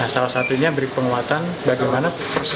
salah satunya beri penguatan bagaimana proses pengadaan barang dan jasa